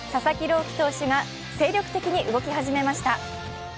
希投手が精力的に動き始めました。